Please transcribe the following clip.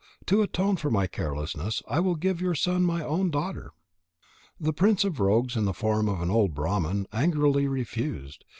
To atone for my carelessness, I will give your son my own daughter." The prince of rogues in the form of an old Brahman angrily refused.